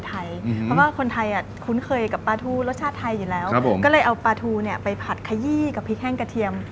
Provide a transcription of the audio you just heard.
เพราะว่าก็ภูมิชาของคนไทยคุ้นเคยกะปลาทูรสชาติไทยอยู่แล้วก็เลยเอาปลาทูไปผัดคัยี้กับพริกแห้งกระเทียม